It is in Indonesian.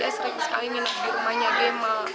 saya sering sekali minat di rumahnya gemma